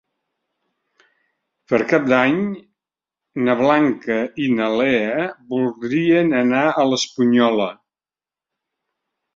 Per Cap d'Any na Blanca i na Lea voldrien anar a l'Espunyola.